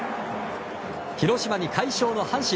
広島に快勝の阪神。